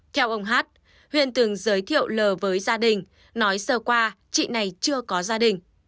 theo ông hát huyền từng giới thiệu lờ với gia đình nói sơ qua chị này chưa có gia đình